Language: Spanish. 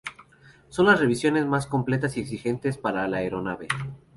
Son las revisiones más completas y exigentes para la aeronave.